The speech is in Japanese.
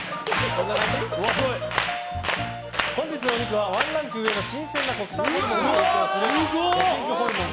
本日のお肉は、ワンランク上の新鮮な国産ホルモンを提供する焼肉ホルモン